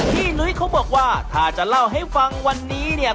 นุ้ยเขาบอกว่าถ้าจะเล่าให้ฟังวันนี้เนี่ย